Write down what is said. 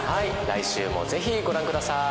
来週もぜひご覧ください。